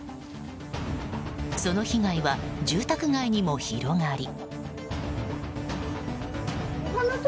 その被害は住宅街にも広がり。